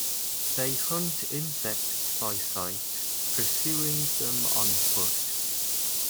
They hunt insects by sight, pursuing them on foot.